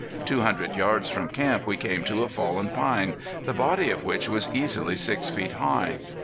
Two hundred yards from camp we came to a fallen pine, the body of which was easily six feet high.